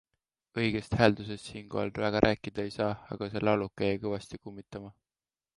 Õigest hääldusest siinkohal väga rääkida ei saa ... aga see lauluke jäi kõvasti kummitama.